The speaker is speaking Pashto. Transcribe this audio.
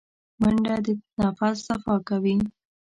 منډه د نفس صفا کوي